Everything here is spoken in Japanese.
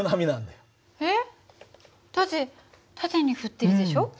だって縦に振ってるでしょ？